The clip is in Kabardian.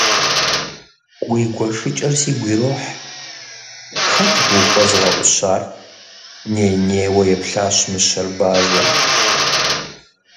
Уи гуэшыкӀэр сигу ирохь, хэт абы ухуэзыгъэӀущар? - ней-нейуэ еплъащ мыщэр бажэм.